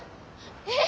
えっ。